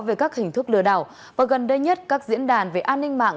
về các hình thức lừa đảo và gần đây nhất các diễn đàn về an ninh mạng